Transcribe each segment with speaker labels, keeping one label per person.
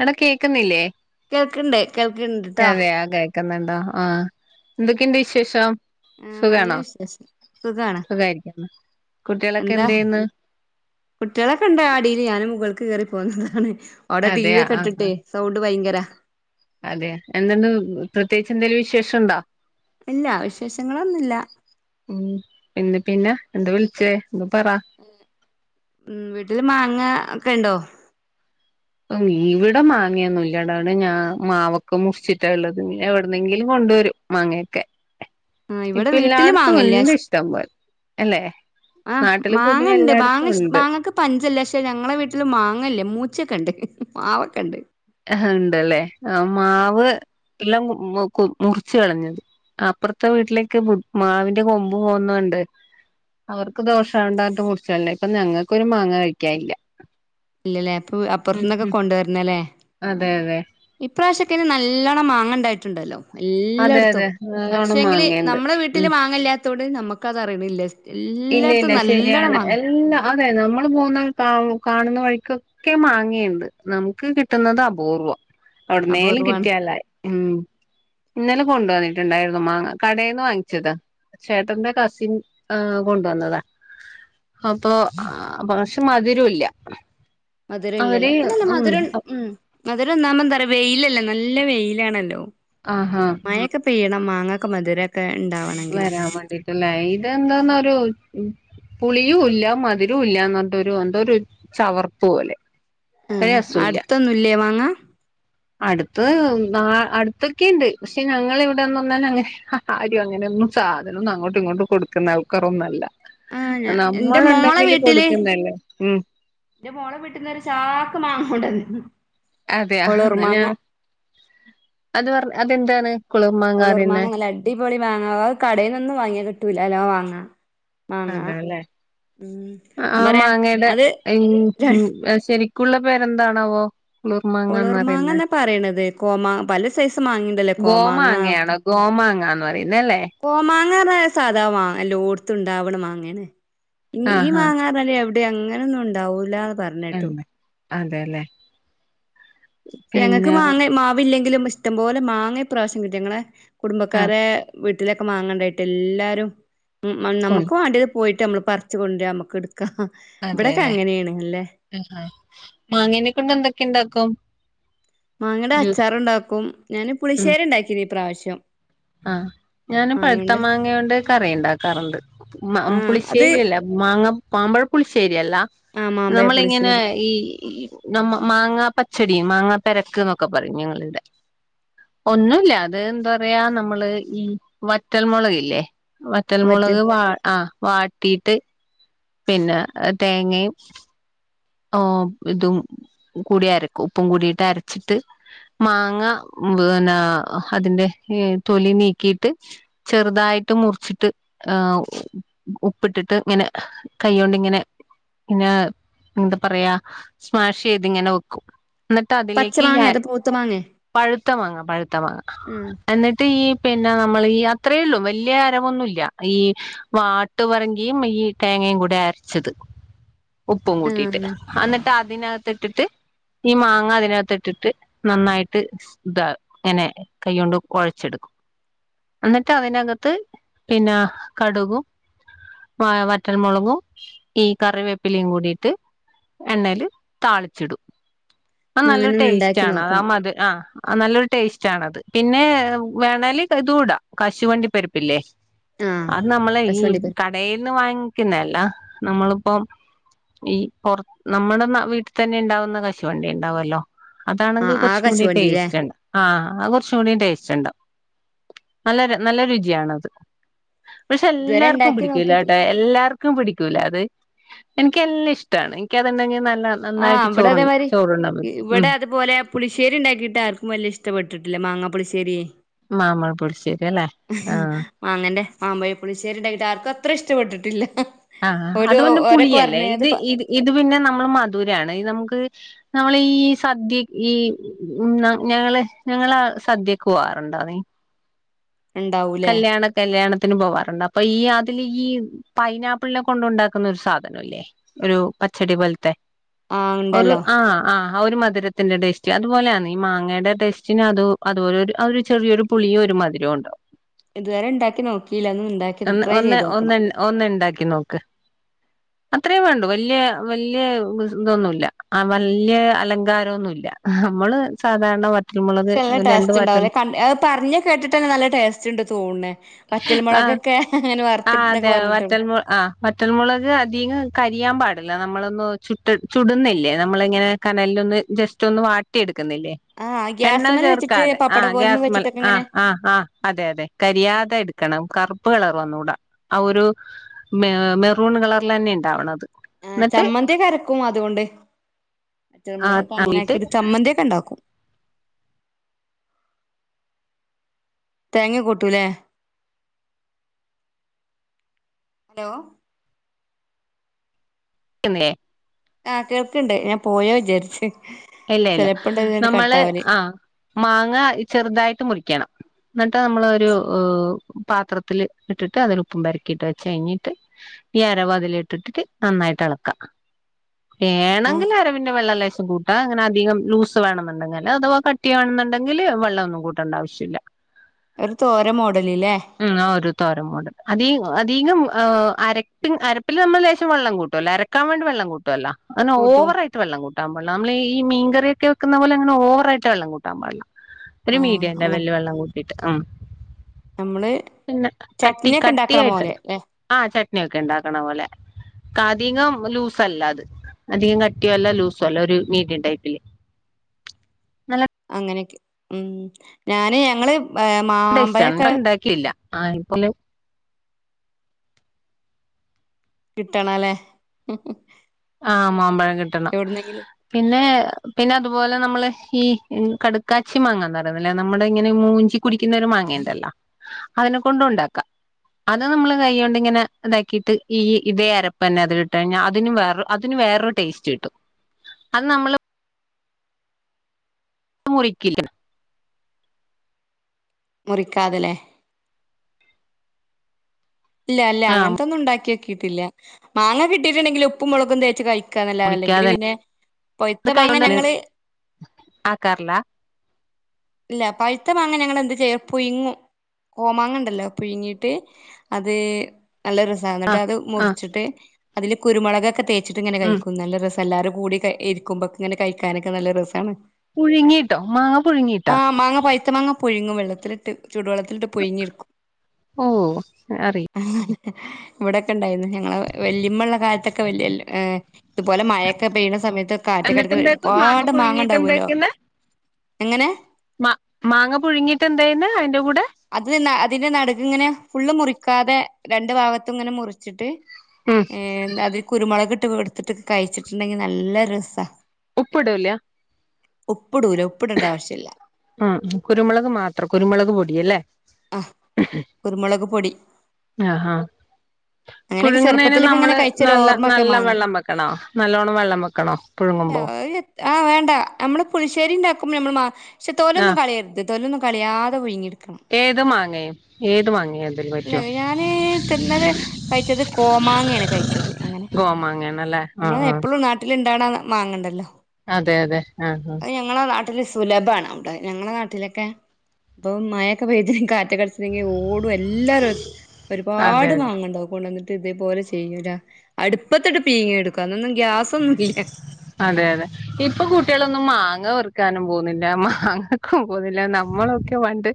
Speaker 1: എടാ കേക്കുന്നില്ലേ
Speaker 2: കേൾക്കണ്ട് കേൾക്കണ്ട് ട്ടോ
Speaker 1: ക്കുന്നുണ്ടോ ആഹ് എന്തൊക്കെണ്ട് വിശേഷം
Speaker 2: ആഹ് നല്ല
Speaker 1: സുഖാണോ
Speaker 2: വിശേഷം സുഖാണ്
Speaker 1: സുഖായിരിക്കുന്ന് കുട്ടികളൊക്കെ എന്ത് ചെയ്യുന്ന്
Speaker 2: കുട്ടികളെകൊണ്ട് അടിയിൽ ഞാനു മുകൾക്ക് കയറി പോന്നതാണ് അവിടെ ടി വി
Speaker 1: അതെയാ
Speaker 2: ഒക്കെ ഇട്ടിട്ടെ സൗണ്ട് ഭയങ്കര
Speaker 1: അതെ എന്തന്ന് പ്രത്യേകിച്ച് എന്തേലും വിശേഷണ്ടോ?
Speaker 2: ഇല്ല വിശേഷങ്ങളൊന്നുല്ല.
Speaker 1: ഉം പിന്നെ പിന്നെ എന്താ വിളിച്ചേ എന്തോ പറാ
Speaker 2: ഉം വീട്ടില് മാങ്ങ ഒക്കെ ഉണ്ടോ?
Speaker 1: ഇവിടെ മാങ്ങിയൊന്നുംല്ലാടാണ് ഞാൻ മാവൊക്കെ മുറിച്ചിട്ടാള്ളത് എവിടുന്നെങ്കിലും കൊണ്ടുവരും മാങ്ങയൊക്കെ
Speaker 2: ആഹ് ഇവിടെ
Speaker 1: ഇപ്പ
Speaker 2: വീട്ടില്
Speaker 1: എല്ലാടത്തും
Speaker 2: മാങ്ങല്ല
Speaker 1: ഉണ്ട് ഇഷ്ടം പോലെ. അല്ലെ
Speaker 2: ആഹ്
Speaker 1: നാട്ടില്
Speaker 2: മാങ്ങ
Speaker 1: പൊതുവെ
Speaker 2: ഇണ്ട്
Speaker 1: എല്ലാടത്തും
Speaker 2: മാങ്ങ ഇഷ്
Speaker 1: ഉണ്ട്.
Speaker 2: മാങ്ങക്ക് പഞ്ചല്ല പക്ഷെ ഞങ്ങളെ വീട്ടില് മാങ്ങല്ല മൂച്ചൊക്കെണ്ട് മാവൊക്കെണ്ട്.
Speaker 1: ആഹ് ഉണ്ടല്ലേ ആഹ് മാവ് എല്ലാം മുറിച്ച് കളഞ്ഞത് അപ്പറത്തെ വീട്ടിലേക്ക് മാവിന്റെ കൊമ്പ് പോകുന്നോണ്ട്. അവർക്ക് ദോഷാവണ്ടറഞ്ഞിട്ട് മുറിച്ചളഞ്ഞേ ഇപ്പൊ ഞങ്ങക്കൊരു മാങ്ങ കഴിക്കാൻ ഇല്ല.
Speaker 2: ഇല്ലല്ലേ അപ്പൊ അപ്പുറത്തന്നൊക്കെ
Speaker 1: ഉം
Speaker 2: കൊണ്ടുവരണല്ലേ
Speaker 1: അതെ അതെ
Speaker 2: ഇപ്രാവശ്യൊക്കെന് നല്ലോണ്ണം മാങ്ങണ്ടായിട്ടുണ്ടല്ലോ.
Speaker 1: അതെ
Speaker 2: എല്ലാടത്തും
Speaker 1: അതെ നല്ലോണം
Speaker 2: പക്ഷെങ്കില്
Speaker 1: മാങ്ങയുണ്ട്
Speaker 2: നമ്മുടെ വീട്ടില്
Speaker 1: ഉം
Speaker 2: മാങ്ങല്ലാത്തോണ്ട് നമ്മക്കത് അറിയണില്ലേ
Speaker 1: ഇല്ല ഇല്ല ശരിയാണ് എല്ലാം അതെ നമ്മള് പോകുന്ന കാ കാണുന്ന വഴിക്കൊ ക്കെ മാങ്ങിയുണ്ട് നമുക്ക് കിട്ടുന്നത് അപൂർവം എവിടുന്നേലും
Speaker 2: അപൂർവമാണ്
Speaker 1: കിട്ടിയാലായി ഉം ഇന്നലെ കൊണ്ട് വന്നിട്ടുണ്ടായിരുന്നു മാങ്ങ കടയിൽന്ന് വാങ്ങിച്ചതാ ചേട്ടന്റെ കസിൻ ആഹ് കൊണ്ടുവന്നതാ അപ്പൊ പക്ഷെ മധുരല്ല
Speaker 2: മധുരല്ലല്ലേ ഇപ്പൊ നല്ല മധുരം ഉം മധുരം ഒന്നാമതെന്താ അറിയോ വെയിലല്ലോ നല്ല വെയിലാണല്ലോ
Speaker 1: ആഹ് അഹ്
Speaker 2: ഒക്കെ പെയ്യണം മാങ്ങ ഒക്കെ മധുരൊക്കെ ഉണ്ടാവണ
Speaker 1: വരാൻ വേണ്ടിട്ടല്ലേ ഇതെന്താന്നറിയോ പുളിയും ഇല്ല മധുരവും ഇല്ലാന്നറഞ്ഞിട്ടൊരു എന്തോ ഒരു ചവർപ്പ് പോലെ. ഒരു
Speaker 2: ആഹ്
Speaker 1: രസവുമില്ല
Speaker 2: അടുത്തൊന്നുല്ലേ മാങ്ങ
Speaker 1: അടുത്ത് ന അടുത്തൊക്കെണ്ട് പക്ഷെ ഞങ്ങളെവിടെന്ന് പറന്നാൽ അങ്ങനെ ആരും അങ്ങനൊന്നും സാധനൊന്നും അങ്ങോട്ടും ഇങ്ങോട്ട് കൊടുക്കുന്ന ആൾക്കാരൊന്നല്ല.
Speaker 2: ആഹ് ഞാ എന്റെ
Speaker 1: നമ്മൾ
Speaker 2: മോളെ
Speaker 1: ഉണ്ടെങ്കില് കൊടുക്കുന്നല്ലേ ഉം
Speaker 2: ന്റെ മോളെ വിട്ടുന്നൊരു ചാക്ക് മാങ്ങ കൊണ്ടന്നീന്ന്.
Speaker 1: അതെയാ ഞാൻ അത് പറ അതെന്താണ് കുളിർമാങ്ങാ
Speaker 2: ഒളൂർ
Speaker 1: പറയുന്നെ
Speaker 2: മാങ്ങ നല്ല അടിപൊളി മാങ്ങ അത് കടയിന്നൊന്നും വാങ്ങിയാ കിട്ടൂലലോ മാങ്ങാ
Speaker 1: അതെല്ലേ
Speaker 2: ഞാൻ
Speaker 1: ആഹ്
Speaker 2: പറയാ
Speaker 1: മാങ്ങയുടെ
Speaker 2: അത്
Speaker 1: ശരി ക്കുള്ള പേരെന്താണാവോ കുളിർ മാങ്ങന്ന്
Speaker 2: ഒളിർ
Speaker 1: പറയുന്നെ
Speaker 2: മാങ്ങന്നാ പറയണത് കോമാ പല സൈസ് മാങ്ങിണ്ടല്ലേ കോമാങ്ങ
Speaker 1: ഗോമാങ്ങാന്ന് പറയുന്ന അല്ലേ
Speaker 2: കോമാങ്ങാറന്ന സാധാ മാങ്ങ എല്ലോട്ത്തുണ്ടാവണ മാങ്ങാണ് ഈ
Speaker 1: ആഹാ
Speaker 2: മാങ്ങാറഞ്ഞാല് എ വ്ടിം അങ്ങനൊന്നും ഉണ്ടാവൂല്ല.
Speaker 1: ഉം അതെല്ലെ
Speaker 2: ഞങ്ങൾക്ക് മാങ്ങ മാവില്ലെങ്കിലും ഇഷ്ടംപോലെ മാങ്ങ ഇപ്രാവശ്യം കിട്ടി ഞങ്ങളെ
Speaker 1: ആ
Speaker 2: കുടുംബക്കാരെ വീട്ടിലൊക്കെ മാങ്ങണ്ടായിട്ട് എല്ലാരും
Speaker 1: കൊണ്ട്
Speaker 2: നമ്മക്ക് വാണ്ടിത് പോയിട്ട് നമ്മള് പറിച്ച് കൊണ്ട്രാ നമ്മക്ക് എടു ഇവിടൊക്കെ
Speaker 1: അതെല്ലേ
Speaker 2: അങ്ങനെയാണ് അല്ലേ
Speaker 1: ആഹാ മാങ്ങനെ കൊണ്ട് എന്തൊക്കെണ്ടാക്കും
Speaker 2: മാങ്ങയോണ്ട് അച്ചാറുണ്ടാക്കും ഞാന് പുളിശേരി ഉണ്ടാക്കിന് ഇപ്രാവശ്യം.
Speaker 1: ആഹ് ഞാനും
Speaker 2: മാങ്ങ
Speaker 1: പഴുത്ത
Speaker 2: കൊണ്ട്
Speaker 1: മാങ്ങ കൊണ്ട് കറി ഇണ്ടാക്കാറുണ്ട്
Speaker 2: ആഹ് അത്
Speaker 1: പുളിശ്ശേരിയല്ല മാങ്ങ മാമ്പഴപ്പുളിശ്ശേരിയല്ല
Speaker 2: ആ മാമ്പഴ
Speaker 1: നമ്മളിങ്ങനെ
Speaker 2: പുളിശ്ശേരി
Speaker 1: ഈ- മാങ്ങാ പച്ചടി മാങ്ങാ പരക്ക് എന്നൊക്കെ പറയും ഞങ്ങളിവിടെ ഒന്നുയില്ല അത് എന്താ പറയാ ന - നമ്മള് ഈ വറ്റൽമുളക് ഇല്ലേ
Speaker 2: വറ്റ്
Speaker 1: വറ്റൽമുളക് വ ആ വാട്ടീട്ട്- പിന്നെ തേങ്ങയും ഓ ഇതും കൂടി അരക്കും ഉപ്പും കൂടിട്ട് അരച്ചിട്ട്- മാങ്ങ പിന്നെ അതിന്റെ തൊലി നീക്കിയിട്ട് ചെറുതായിട്ട് മുറിച്ചിട്ട് ആ ഉപ്പിട്ടിട്ട് ഇങ്ങനെ- കൈയൊണ്ട് ഇങ്ങനെ പിന്നെ- എന്താ പറയാ സ്മാഷ് ചെയ്തിങ്ങനെ വെക്കും എന്നിട്ട്
Speaker 2: പച്ച
Speaker 1: അതിലേക്ക് ഈ
Speaker 2: മാങ്ങേ അതോ പൂത്ത
Speaker 1: - പഴുത്തമാങ്ങ പഴുത്തമാങ്ങ
Speaker 2: ഉം
Speaker 1: എന്നിട്ട് ഈ പിന്നെ നമ്മള് ഈ അത്രേള്ളൂ വലിയ അരവൊന്നുമല്ല ഈ- വാട്ട് പറങ്കിയും ഈ തേങ്ങയും കൂടെ അരച്ചത് ഉപ്പും-
Speaker 2: ആ
Speaker 1: ക്
Speaker 2: അങ്ങനെ
Speaker 1: എന്നിട്ട് അതിനകത്ത് ഇട്ടിട്ട് ഈ മാങ്ങ അതിനകത്ത് ഇട്ടിട്ട് നന്നായിട്ട്- ഇത് ഇങ്ങനെ കൈകൊണ്ട് കൊഴ ച്ചെടുക്കും എന്നിട്ട് അതിനകത്ത് പിന്നെ കടുകും- വ വറ്റൽമുളകും ഈ കറിവേപ്പിലിയും കൂടിട്ട്- എണ്ണേല് താളിച്ചിടും അത്
Speaker 2: അങ്ങനെ
Speaker 1: നല്ലൊരു
Speaker 2: ഒന്ന്
Speaker 1: ടേസ്റ്റ്
Speaker 2: ഉണ്ടാക്കി
Speaker 1: ആണ്
Speaker 2: നോക്കണം
Speaker 1: അതാത് ആഹ- ആ നല്ലൊരു ടേസ്റ്റ് ആണത് പിന്നെ വേണാല് ഇതുയിടാം കശുവണ്ടി പരിപ്പില്ലേ-
Speaker 2: ആ
Speaker 1: അത് നമ്മളെ ഈ
Speaker 2: കശുവണ്ടി
Speaker 1: ക-
Speaker 2: പരിപ്പ്
Speaker 1: കടെന്ന് വാങ്ങിക്കുന്നല്ല നമ്മളിപ്പം ഈ- പൊറ നമ്മുടെ വീട്ടിൽ തന്നെ ഇണ്ടാവുന്ന കശുവണ്ടി ഇണ്ടാവല്ലോ
Speaker 2: ആ
Speaker 1: അതാണെങ്കിൽ
Speaker 2: ആ
Speaker 1: കൊറച്ചും കൂടി
Speaker 2: കശുവണ്ടില്ലേ
Speaker 1: ടേസ്റ്റ്ണ്ട് ആഹ് അത് കൊറച്ചുംകൂടി ടേസ്റ്റ് ഇണ്ട് നല്ല നല്ല രുചിയാണത് പക്ഷെ
Speaker 2: ഇതുവരെ
Speaker 1: എല്ലാർക്കും
Speaker 2: ഉണ്ടാക്കി
Speaker 1: പിടിക്കൂല
Speaker 2: നോക്കിട്ടില്ല
Speaker 1: കേട്ടോ - എല്ലാവർക്കും പിടിക്കൂല അത് എനിക്ക് എല്ലാം ഇഷ്ടമാണ് എനിക്കത് ഇണ്ടെങ്കി നല്ല-
Speaker 2: ആഹ്
Speaker 1: നന്നായിട്ട്
Speaker 2: ഇവിടെ
Speaker 1: ചോറ്
Speaker 2: അതേമാരി
Speaker 1: ചോറുണ്ണാൻ പറ്റും ഉം
Speaker 2: ഇവിടെ അതുപോലെ- പുളിശേരി ഇണ്ടാക്കിട്ട് ആർക്കും വലിയ ഇഷ്ടപ്പെട്ടിട്ടില്ല മാങ്ങാപുശ്ശേരിയെ
Speaker 1: മാമ്പഴപുളിശ്ശേരി അല്ലേ ആഹ്
Speaker 2: ആ അങ്ങനെ മാമ്പയപുളിശ്ശേരി ഉണ്ടായിിട്ട് ആർക്കും അത്ര ഇഷ്ടപ്പെട്ടിട്ടില്ല
Speaker 1: ആഹ്
Speaker 2: ഓല്
Speaker 1: അത് പിന്നെ
Speaker 2: ഓരൊക്കെ
Speaker 1: പുളിയല്ലേ
Speaker 2: പറഞ്ഞ് അത്
Speaker 1: ഇത് ഇത് ഇത് പിന്നെ നമ്മള് മധുരാണ് ഇത് നമുക്ക്- നമ്മള് ഈ സദ്യ ഈ- ഉം ഞങ്ങള് ഞങ്ങള് സദ്യക്ക് പോവാറുണ്ടോ നീ-
Speaker 2: ഉണ്ടാവൂലേ
Speaker 1: കല്യാണ- കല്യാണത്തിന് പോവാറുണ്ട് അപ്പൊ ഈ അതില് ഈ പൈനാപ്പിളിനെ കൊണ്ട് ഒണ്ടാക്കുന്ന ഒരു സാധയില്ലേ ഒരു പച്ചടി പോലത്തെ
Speaker 2: ആ
Speaker 1: ഒരു
Speaker 2: ഉണ്ടല്ലോ
Speaker 1: ആഹ് ആഹ് ആ ഒരു മധുരത്തിന്റെ ടേസ്റ്റ് അതുപോലെയാണ് ഈ മാങ്ങയുടെ ടേസ്റ്റിന് അത് അതുപോലെ ഒരു അതുപോലെ ചെറിയൊരു- പുളിയും ഒരു മധുരവും ഉണ്ടാവും
Speaker 2: ഇതുവരെ ഇണ്ടാക്കി നോക്കിയില്ല ഇനി ഇണ്ടാക്കി-
Speaker 1: ഒന്ന് ഒന്ന് ഒന്ന് ഒന്ന് ഇണ്ടാക്കി നോക്ക് അത്രയും വേണ്ടു വല്യ വല്യ ഇതൊന്നുമില്ല ആ വല്യ അലങ്കാരമൊന്നുമില്ല നമ്മള് സാധാരണ- വറ്റൽമുളക്
Speaker 2: പക്ഷെ നല്ല
Speaker 1: രണ്ട്
Speaker 2: ടേസ്റ്റ്
Speaker 1: വറ്റൽ
Speaker 2: ഉണ്ടാവില്ലേ ക അത് പറഞ്ഞ് കേട്ടിട്ടു നല്ല ടേസ്റ്റ് ഉണ്ട് തോന്നണേ വറ്റല്
Speaker 1: ആ
Speaker 2: മുളകൊക്കെ അങ്ങനെ വറുത്തിട്ട എന്നൊക്കെ പറഞ്ഞിട്ടണ്ട്
Speaker 1: ആഹ് വറ്റൽമുളക് അധികം കരിയാൻ പാടില്ല നമ്മളൊന്നും ചു ചുടുന്നില്ലേ നമ്മള ഇങ്ങനെ കനലിലൊന്ന് ജസ്റ്റ് ഒന്ന് വാട്ടിയ എടുക്കുന്നില്ലേ
Speaker 2: ആ
Speaker 1: എണ്ണ
Speaker 2: ഗ്യാസ്മല് വെച്ചിട്ട്
Speaker 1: ചേർക്കാതെ
Speaker 2: പപ്പട
Speaker 1: ആഹ്
Speaker 2: കോലുമ
Speaker 1: ഗ്യാസ് മല
Speaker 2: വെച്ചിട്ടൊക്കെ
Speaker 1: ആ്
Speaker 2: ഇങ്ങനെ
Speaker 1: ആ ആഹ് അതെ അതെ കരിയാതെ എടുക്കണം കറുപ്പ് കളർ വന്നൂടാ ആ ഒരു മ മെറൂൺ കളറിൽ തന്നെ ഉണ്ടാവണത്.
Speaker 2: ആ ചമ്മന്തിക്കെ അരക്കും അതുകൊണ്ട്
Speaker 1: ആ
Speaker 2: പച്ചമുളക് അങ്ങനെ ആക്കിട്ട്
Speaker 1: ഇല്ല
Speaker 2: ചമ്മന്തിയൊക്കെ ഉണ്ടാക്കും. തേങ്ങ കൂട്ടൂ അല്ലേ. ഹലോ
Speaker 1: കേൾക്കുന്നില്ലേ?
Speaker 2: ആഹ് കേൾക്കണ്ടേ ഞാൻ പോയോ വിചാരിച്ചു.
Speaker 1: ഇല്ല ഇല്ല നമ്മള് ആ മാങ്ങ ചെറുതായിട്ട് മുറിക്കണം. എന്നിട്ട് നമ്മളൊരു പാത്രത്തിൽ ഇട്ടിട്ട് അതിന് ഉപ്പും പരക്കിയിട്ട് വെച്ച് കഴിഞ്ഞിട്ട് ഈ അരവ അതില് ഇട്ടിട്ടിട്ട് നന്നായിട്ട് എളക്കാം
Speaker 2: ആ
Speaker 1: വേണമെങ്കിൽ അരവിന്റെ വെള്ള ലേശം കൂട്ട അങ്ങനെ അധികം ലൂസ് വേണമുണ്ടെങ്കിൽ അഥവാകട്ടി വണെന്നുണ്ടെങ്കില് വെള്ളൊന്നും കൂട്ടേണ്ട ആവശ്യല്ല [inaudible]
Speaker 2: ഒരു തോര മോടല്‌ല്ലേ
Speaker 1: ഉം ഒരു തോരൻ മൂഡ്. അധീ അധികം ഏഹ് അരപ്പിൻ അരപ്പില് നമ്മള് ലേശം വെള്ളം കൂട്ടൂല്ലേ അര വേണ്ടി വെള്ളം കൂട്ടുവല്ലോ അങ്ങനെ
Speaker 2: കൂട്ടും
Speaker 1: ഓവറായി ആയിട്ട വെള്ളം കൂട്ടാൻ പാ നമ്മള് ഈ മീൻ കറിയൊക്കെക്കുന്ന പോലെങ്ങന ഓവറായിട്ട് വെള്ളം കൂട്ടൻ പാടില
Speaker 2: ആ
Speaker 1: ഒരു മീഡിയം
Speaker 2: അങ്ങനെ
Speaker 1: ലവലിൽ വെള്ളം കൂട്ടിട്ട് ഉം
Speaker 2: നമ്മള്
Speaker 1: പിന്നെ കട്ടി
Speaker 2: ചട്നിയൊക്കെ ഉണ്ടാക്കണ
Speaker 1: കട്ടിയായിട്ട്
Speaker 2: പോലെ ല്ലെ
Speaker 1: ആ ചട്ട്നിയൊക്കെ ഉണ്ടാക്കണ പോലെ അധികം ലൂസല്ല അത് അധികം കട്ടിയ അല്ല ലൂസോല്ല ഒരു മീഡിയം ടൈപ്പില് നല്ല
Speaker 2: അങ്ങനെയൊക്കെ ഉ ഞാന് ഞങ്ങള് മാമ്പഴക്കെ
Speaker 1: ഇല്ല ആ ഇപ്പോലെ
Speaker 2: കിട്ടണല്ലേ?
Speaker 1: ആഹ് മാമ്പഴം കിട്ടണം
Speaker 2: എവിടുന്നെങ്കിലും
Speaker 1: പിന്നെ പിന്നെ അതുപോലെ നമ്മള് ഈ കടുക്കാച്ചി മാങ്ങന്ന് പറയുന്നല്ലേ നമ്മുടെ ഇങ്ങനെ മൂഞ്ചി കുടിക്കുന്നൊരു മാങ്ങണ്ടല്ല അതിനെ കൊണ്ട ഉണ്ടാക്കാം അത് നമ്മള് കൈകൊണ്ട്ങ്ങനെ ഇതാക്കിയിട്ട് ഈ ഇതേ അരപ്പ തന്നെ അത് കിട്ട കഴിഞ്ഞാൽ അതിന് വേറെ അതിന് വേറൊരു ടേസ്റ്റ് കിട്ടും അത് നമ്മൾ മുറിക്കില്ല
Speaker 2: മുറിക്കാതല്ലേ? ഇല്ല അല്ല
Speaker 1: ആ
Speaker 2: അങ്ങനത്തെന്നും ഉണ്ടാക്കി ആക്കിയിട്ടില്ല മാങ്ങ കിട്ടിട്ടുണ്ടെങ്കിൽ ഉപ്പും മുളക്കും തേച്ച് കഴിക - - ക്കന്നല്ല അല്ലെങ്കിൽ
Speaker 1: മുറിക്കാതെ
Speaker 2: പിന്നെ
Speaker 1: അത്
Speaker 2: പൊഴുത്ത
Speaker 1: കൈ
Speaker 2: മാങ്ങ
Speaker 1: കൊണ്ട്
Speaker 2: ഞങ്ങള്
Speaker 1: ആക്കാറില്ല
Speaker 2: ഇല്ല പഴുത്ത മാങ്ങന ഞങ്ങൾ എന്ത് ചെയ്യും പുയ്ങ്ങും കോമാങ്ങ ഉണ്ടല്ലോ പുഴുങ്ങീട്ട് അതെ നല്ല രസ എന്നിട്ട് അത്
Speaker 1: ആഹ്
Speaker 2: മുറിച്ചിട്ട് അതില് കുരുമുളക്ക്കെ തേച്ച കച്ചിട്ട് ഇങ്ങനെ
Speaker 1: ഉം
Speaker 2: കഴിക്കും നല്ല രസം എല്ലാരും കൂടി ഇരിക്ക്പൊക്കെ ഇങ്ങെ കഴിക്കാനക്കെ നല്ല രസമണ്.
Speaker 1: പുഴുങ്ങിട്ടോ മാങ്ങ
Speaker 2: ആ
Speaker 1: പുഴുങ്ങിട്ടാ
Speaker 2: മാങ്ങ പൈത്ത മാങ്ങ പുഴുങ്ങു വെള്ളത്തിലിട്ട് ചൂടുവെള്ളത്തിലിട്ട് പുയ്ങ്ങിട്ക്കും
Speaker 1: ഓ അയ്അറീല
Speaker 2: ഇവിടെൊക്കെ ഇണ്ടായിരുന്നു ഞങ്ങള് വല്യമ്മ ഉള്ള കാലത്തൊക്കെ വല്യഹേ ഇതുപോലെ മഴയൊക്കെ പെയ്യണ സമയത്ത് കാറ്റൊക്കെടക്ക
Speaker 1: എന്നിട്ടെന്താക്കും
Speaker 2: ഒരുപാട് മാങ്ങ
Speaker 1: പുഴുങ്ങിയിട്ട്
Speaker 2: ഉണ്ടാവുല്ലോ? എങ്ങനെ
Speaker 1: മാ മാങ്ങ പുഴുങ്ങിട്ട് എന്താചെയ്ന്ന് അതിന്റെ കൂടെ
Speaker 2: അത് അതിന്റെ നടുക് ഇങ്ങനെ ഫുള്ള് മുറിക്കാതെ രണ്ട് ഭാഗത്തും ഇങ്ങനെ മുറിച്ചിട്ട്
Speaker 1: ഉം
Speaker 2: ഏ അതിൽ കുരുമുളക് ഇട്ട് എടുത്തിട്ട കഴിച്ചിട്ടുണ്ടെങ്കി നല്ല രസാ
Speaker 1: ഉപ്പിടില്ല
Speaker 2: ഉപ്പിടൂല ഉപ്പിടേണ്ട ആവശ്യല്ല
Speaker 1: ഉം കുരുമുളക് മാത്രം കുരുമുളക് പൊടിയല്ലേ
Speaker 2: ആഹ് കുരുമുളക് പൊടി
Speaker 1: ആഹ് ആഹ്
Speaker 2: അങ്ങനെയൊക്കെ
Speaker 1: പുഴുങ്ങുന്നതിന്
Speaker 2: ചെറുപ്പത്തിലൊക്കെ ഇങ്ങനെ
Speaker 1: നമ്മള്
Speaker 2: കഴിച്ചൊരു
Speaker 1: നല്ല
Speaker 2: ഓർമ്മൊക്കെ
Speaker 1: നല്ല
Speaker 2: മാങ്ങ
Speaker 1: വെള്ളം വെക്കണോ നല്ലോണം വെള്ളം വെക്കണോ
Speaker 2: അല്ല
Speaker 1: പുഴുങ്ങുമ്പോ
Speaker 2: ആ വേണ്ട നമ്മള് പുളിശ്ശേരി ഉണ്ടാക്കുമ്പോ നമ്മൾ മാ പക്ഷെ തോലൊന്നും
Speaker 1: ആഹ്
Speaker 2: കളയരുത് തോലൊന്നും കളയാതെ പുഴുങ്ങിയെടുക്കണം
Speaker 1: ഏത് മാങ്ങേ ഏത് മാങ്ങേ അത്
Speaker 2: അല്ല ഞാന് തിന്നത് കഴിച്ചത് കോമാങ്ങയാണ് കഴിച്ചത് അങ്ങനെ
Speaker 1: എന്നല്ലേ ആ ആഹ്
Speaker 2: വീട്ടില്ണ്ടാവ്ണ മാങ്ങണ്ടല്ലോ
Speaker 1: അതെ അതെ ആഹ് ആഹ്
Speaker 2: അത് ഞങ്ങളെ നാട്ടില് സുലഭാണ് അവിടെ ഞങ്ങളെ നാട്ടിലൊക്കെ ഇപ്പൊ മഴൊക്കെ പെയ്ത് കാറ്റൊക്കെ അടിച്ചിട്ടിണ്ടെങ്കി ഓടും എല്ലാവരും
Speaker 1: അതെ
Speaker 2: ഒരുപാട്
Speaker 1: അതെ
Speaker 2: മാങ്ങണ്ടാവും കൊണ്ടന്നിട്ട് ഇതേപോലെ ചെയ്യൂല്ല അടുപ്പത്തിട്ട് പീങ്ങി എടുക്കും അന്നൊന്നും ഗ്യാസൊന്നുല്ല
Speaker 1: അതെ അതെ ഇപ്പൊ കുട്ടികളൊന്നും മാങ്ങ പെറുക്കാനും പോവുന്നില്ല മാങ്ങ പോവുന്നില്ല നമ്മളൊക്കെ പണ്ട്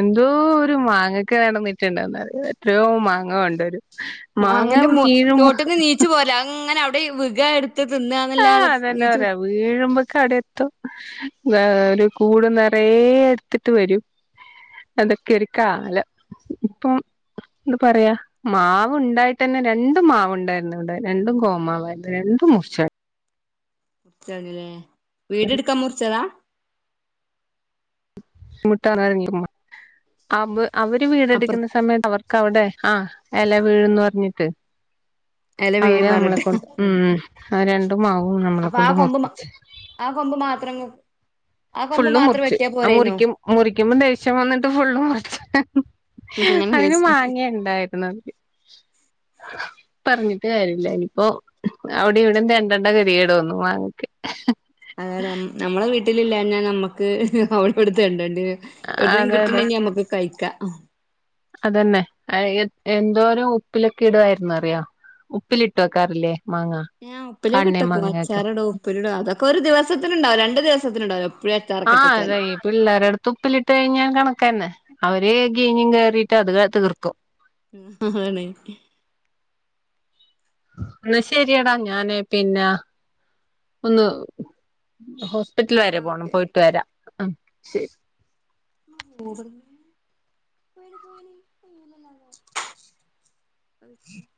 Speaker 1: എന്തോരം മാങ്ങക്ക് നടന്നിട്ടുണ്ടെന്ന് അറിയോ എത്രയോ മാങ്ങ കൊണ്ടരും
Speaker 2: മാങ്ങന്റെ തോട്ടുന്ന് നീച്ചു പോര്ല അങ്ങനെ അവിടെ വികാ എടുക്കാ ഇട്ട് തിന്നാന്നല്ലാതെ നീച്ചു
Speaker 1: വീഴുമ്പോയേക്ക് അവിടെ എത്തും ഒരു കൂട് നിറയെ എടുത്തിട്ട് വരും അതൊക്കൊരു കാലം ഇപ്പം എന്താ പറയാ മാവ് ഇണ്ടായിട്ടന്നെ രണ്ടു മാവുണ്ടായിരുന്നു ഇവിടെ രണ്ടും കോമാവായിരുന്നു രണ്ടും മുറിച്ചായിരുന്നു
Speaker 2: മുറിച്ച് കളഞ്ഞല്ലേ വീടെടുക്കാൻ മുറിച്ചതാ
Speaker 1: ബുദ്ധിമുട്ടാന്ന് പറഞ്ഞിരുന്നു അവര്
Speaker 2: അപ്പുറ
Speaker 1: വീടെടുക്കുന്ന സമയത്ത് അവർ അവിടെ ആ ഇല വീഴുംന്ന് പറഞ്ഞിട്ട്
Speaker 2: എല
Speaker 1: അവര്
Speaker 2: വീഴും
Speaker 1: നമ്മളെ
Speaker 2: പറഞ്ഞിട്ട്
Speaker 1: കൊണ്ട് ഉം രണ്ടു മാവും നമ്മളെ
Speaker 2: അപ്പൊ ആ
Speaker 1: കൊണ്ട്
Speaker 2: കൊമ്പ്
Speaker 1: മുറിപ്പിച്ച്
Speaker 2: ആ കൊമ്പ് മാത്രം ആ കൊമ്പ്
Speaker 1: ഫുള്ള്
Speaker 2: മാത്രം
Speaker 1: മുറിച്ച്
Speaker 2: വെട്ടിയാ
Speaker 1: ആ
Speaker 2: പോരായിന്നോ
Speaker 1: മുറിക്കും മുറിക്കുമ്പോ ദേഷ്യം വന്നിട്ട് ഫുള്ള് മുറിച്ച്
Speaker 2: അങ്ങനെ
Speaker 1: അതിന്
Speaker 2: ചോദിച്ചു
Speaker 1: മാങ്ങി ഇണ്ടായിരുന്നു അതില് പറഞ്ഞിട്ട് കാര്യല്ല ഇനിയിപ്പോ അവിടെയും ഇവിടെയും തെണ്ടെണ്ട ഗതികേട് വന്നു മാങ്ങക്ക്
Speaker 2: അതെ നമ്മളെ വീട്ടിലില്ലാഞ്ഞാ നമ്മുക്ക് അവടേം ഇവടേം തെണ്ടേണ്ടി വരും എവിടെന്നേലും
Speaker 1: അതെ അതെ
Speaker 2: കിട്ടുന്നുണ്ടെങ്കി നമ്മുക്ക് കഴിക്കാം
Speaker 1: അതന്നെ എന്തോരം ഉപ്പിലൊക്കെ ഇടുവായിരുന്നൂ അറിയോ ഉപ്പിലിട്ടു വെക്കാറില്ലേ മാങ്ങ
Speaker 2: ഞാ ഉപ്പിലോക്കെ
Speaker 1: കണ്ണി
Speaker 2: ഇട്ടെക്കും
Speaker 1: മാങ്ങയൊക്കെ
Speaker 2: അച്ചാറിടും ഉപ്പിലിടും അതൊക്കെ ഒരു ദിവസത്തിനുണ്ടാവും രണ്ട് ദിവസത്തിണ്ടാവും
Speaker 1: ആ അതെ പിള്ളേരെടുത്ത് ഉപ്പിലിട്ട് കഴിഞ്ഞാ കണക്കന്നെ അവര് കീഞ്ഞും കേറിട്ടും അത് തീർക്കും
Speaker 2: ആണ്
Speaker 1: എന്നാ ശരിയെടാ ഞാന് പിന്നെ ഒന്ന് ഹോസ്പിറ്റലിൽ
Speaker 2: എന്നാ
Speaker 1: വരെ പോണം
Speaker 2: ഓക്കെ
Speaker 1: പോയിട്ട് വരാം ശരി
Speaker 2: പോ ഇബട്ന്ന് പോ [unintelligible]